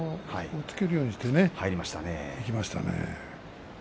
押っつけるようにしていきましたね。